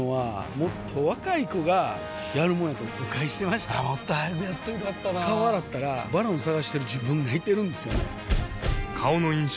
もっと早くやっといたら良かったなぁ顔洗ったら「ＶＡＲＯＮ」探してる自分がいてるんですよね